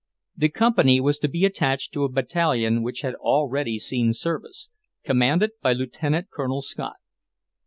The company was to be attached to a battalion which had already seen service, commanded by Lieutenant Colonel Scott.